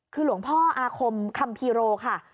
คือหลวงพ่ออาคมคัมภีโรค่ะ